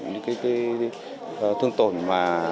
những cái thương tổn mà